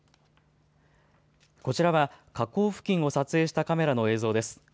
こちらは火口付近を撮影したカメラの映像です。